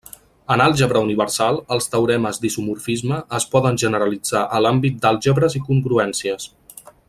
En àlgebra universal, els teoremes d'isomorfisme es poden generalitzar a l'àmbit d'àlgebres i congruències.